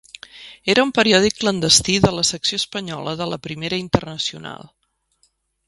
Era un periòdic clandestí de la secció espanyola de la Primera Internacional.